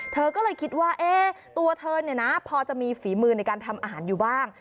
เธอก็เลยคิดว่าตัวเธอเนี่ยนะพอจะมีฝีมือในการทำอาหารอยู่บ้าง